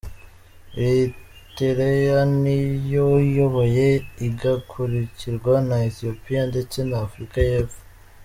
Eriterea niyo iyoboye igakurikirwa na Ethiopia ndetse na Afurika y' Epfo.